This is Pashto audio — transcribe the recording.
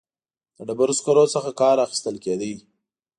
د ډبرو سکرو څخه کار اخیستل کېده.